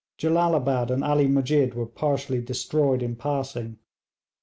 Jellalabad and Ali Musjid were partially destroyed in passing.